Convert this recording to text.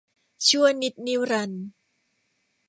ชั่วนิจนิรันดร์